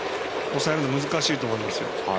抑えるの難しいと思いますよ。